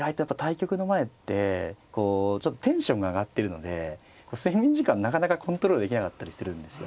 対局の前ってこうちょっとテンションが上がってるので睡眠時間なかなかコントロールできなかったりするんですよ。